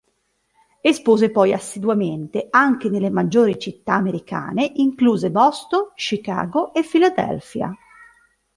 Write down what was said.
Espose poi assiduamente anche nelle maggiori città americane, incluse Boston, Chicago e Filadelfia.